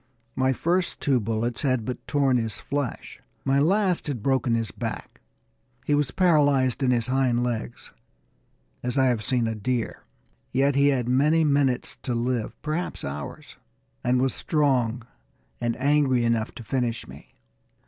My first two bullets had but torn his flesh. My last had broken his back. He was paralyzed in his hind legs, as I have seen a deer, yet he had many minutes to live, perhaps hours, and was strong and angry enough to finish me.